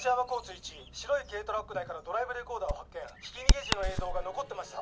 １白い軽トラック内からドライブレコーダーを発見ひき逃げ時の映像が残ってました。